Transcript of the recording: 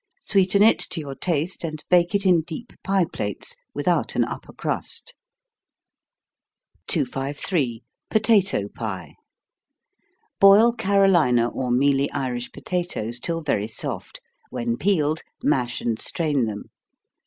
Sweeten it to your taste, and bake it in deep pie plates without an upper crust. 253. Potato Pie. Boil Carolina or mealy Irish potatoes, till very soft when peeled, mash and strain them.